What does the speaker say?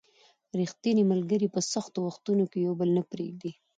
ریښتیني ملګري په سختو وختونو کې یو بل نه پرېږدي